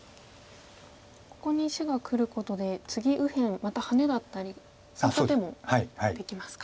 ここに石がくることで次右辺またハネだったりそういった手もできますか。